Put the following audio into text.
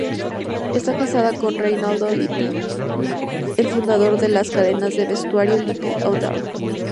Está casada con Reinaldo Lippi, el fundador de las cadenas de vestuario Lippi Outdoor.